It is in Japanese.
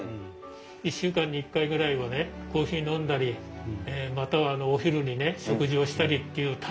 １週間に１回ぐらいはねコーヒー飲んだりまたはお昼に食事をしたりっていう楽しみができましたよね。